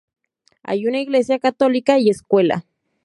Hay una iglesia católica y escuela.